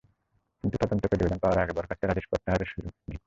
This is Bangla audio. কিন্তু তদন্ত প্রতিবেদন পাওয়ার আগে বরখাস্তের আদেশ প্রত্যাহার হওয়ার সুযোগ নেই।